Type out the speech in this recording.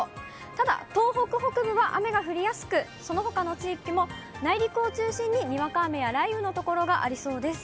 ただ東北北部は雨が降りやすく、そのほかの地域も内陸を中心に、にわか雨や雷雨の所がありそうです。